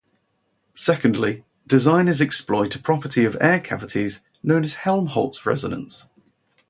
Secondly, designers exploit a property of air cavities known as Helmholtz resonance.